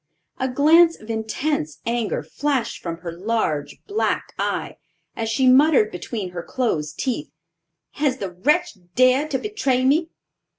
A glance of intense anger flashed from her large black eye, as she muttered between her closed teeth: "Has the wretch dared to betray me?"